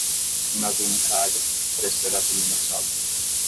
Um navio encalha, o preço da gasolina sobe